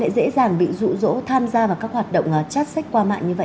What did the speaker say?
mà các bé gái lại dễ dàng bị rụ rỗ tham gia vào các hoạt động chát sách qua mạng như vậy